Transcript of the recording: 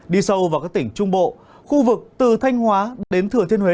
đi sâu vào các tỉnh trung bộ khu vực từ thanh hóa đến thừa thiên huế